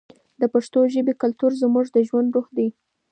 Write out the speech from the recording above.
د پښتو ژبې کلتور زموږ د ژوند روح دی.